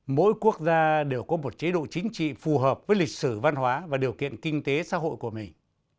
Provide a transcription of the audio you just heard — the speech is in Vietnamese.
mỗi quốc gia đều có một chế độ chính trị phù hợp với lịch sử văn hóa và điều kiện kinh tế xã hội của mình